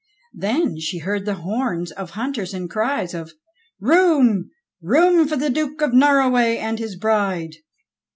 Then she heard the horns of hunters and cries of *'Room ! Room for the Duke of Norroway and his bride